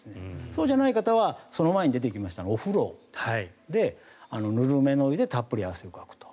そうじゃない方はその前に出てきましたお風呂でぬるめのお湯でたっぷり汗をかくと。